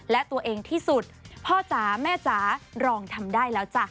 และตัวเองที่สุดพ่อจ๋าแม่จ๋ารองทำได้แล้วจ้ะ